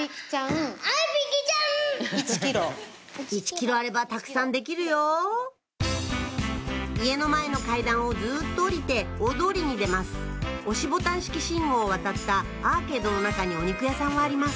１ｋｇあればたくさんできるよ家の前の階段をずっと下りて大通りに出ます押しボタン式信号を渡ったアーケードの中にお肉屋さんはあります